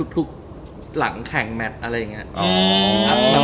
หลังแข่งแมทอะไรอย่างนี้